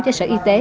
cho sở y tế